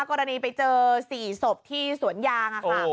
กรณีไปเจอ๔สบที่สวนยาง